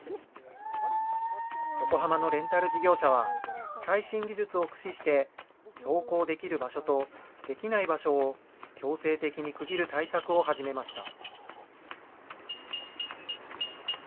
横浜のレンタル事業者は、最新技術を駆使して、走行できる場所とできない場所を、強制的に区切る対策を始めました。